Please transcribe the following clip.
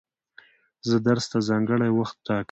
زه درس ته ځانګړی وخت ټاکم.